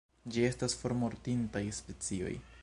Ĝi estas formortintaj specioj.